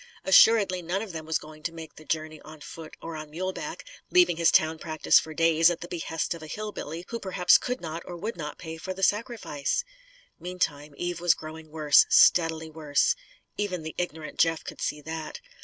Assuredly none of them was going to make the journey on foot or on mule back, leaving his town practice for days, at the behest of a hill billy who perhaps could not or would not pay for the sacrifice. Meantime, Eve was growing worse, steadily worse. Even the ignorant Jeff could see that.